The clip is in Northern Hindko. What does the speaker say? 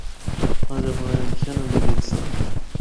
اجّ اپنڑیاں اکھّیا نال اے دِکھساں۔